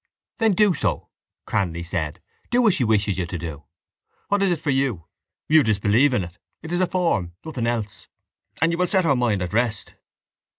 —Then do so, Cranly said. Do as she wishes you to do. What is it for you? You disbelieve in it. It is a form: nothing else. And you will set her mind at rest.